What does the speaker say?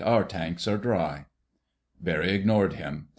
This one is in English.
Our tanks are dry." Barry ignored him.